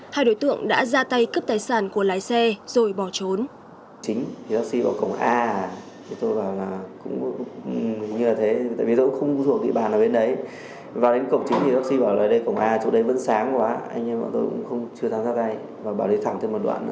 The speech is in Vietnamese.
hai đối tượng đã ra tay cướp tài sản của lái xe rồi bỏ trốn